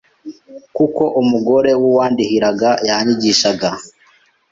kuko umugore w’uwandihiraga yanyigishaga